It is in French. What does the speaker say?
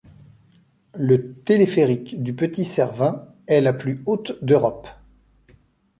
Le téléphérique du Petit Cervin est la plus haute d'Europe.